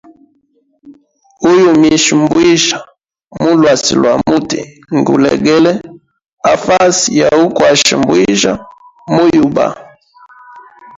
Uyumisha mbwijya mu lwasi lwa muti ngulegele a fasi ya ukwasha mbwijya mu yuba.